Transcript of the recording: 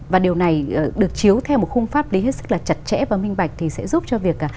và điều này được chiếu theo một khung pháp lý hết sức là chặt chẽ và minh bạch thì sẽ giúp cho việc